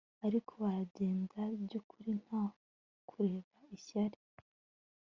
ariko baragenda, byukuri, nta kureba ishyari